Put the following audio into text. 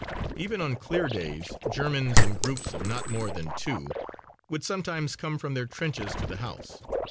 Even on clear days Germans in groups of not more than two would sometimes come from their trenches to the house.